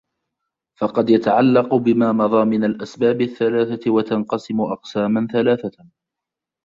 فَقَدْ يَتَعَلَّقُ بِمَا مَضَى مِنْ الْأَسْبَابِ الثَّلَاثَةِ وَتَنْقَسِمُ أَقْسَامًا ثَلَاثَةً